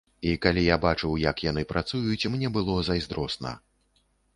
І калі я бачыў, як яны працуюць, мне было зайздросна.